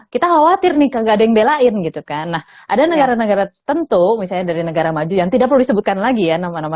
kita khawatir nih gak ada yang belain gitu kan nah ada negara negara tentu misalnya dari negara maju yang tidak perlu disebutkan lagi ya nama nama